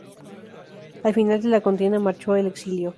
Al final de la contienda marchó al exilio.